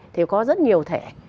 thì có rất nhiều thể